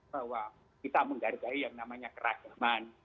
bahwa kita menghargai yang namanya keragaman